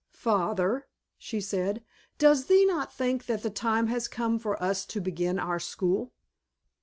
"Father," she said, "does thee not think that the time has come for us to begin our school?"